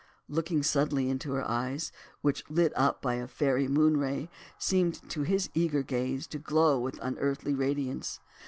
looking suddenly into her eyes, which, lit up by a fairy moonray, seemed to his eager gaze to glow with unearthly radiance.